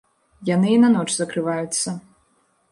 Яны і на ноч закрываюцца.